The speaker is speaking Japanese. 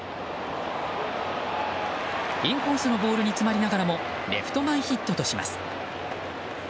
インコースのボールに詰まりながらもレフト前ヒットとします。